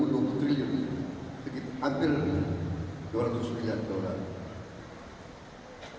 dan dua ribu dua puluh triliun ini hampir dua ratus miliar dolar